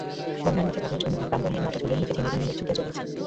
বন্যার মুখে ভগ্ন চূর্ণ গ্রামপল্লীর মতো ঝড়ের মুখে ছিন্নভিন্ন মেঘ ছুটিয়া চলিয়াছে।